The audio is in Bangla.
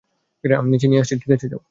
আমি নিচে নিয়ে আসছি যাও, ঠিক আছে?